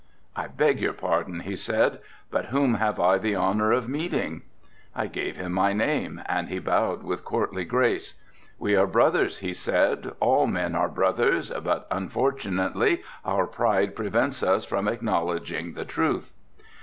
"I beg your pardon," he said, "but whom have I the honor of meeting?" I gave him my name and he bowed with courtly grace. "We are brothers," he said, "all men are brothers but unfortunately our pride prevents us from acknowledging the truth."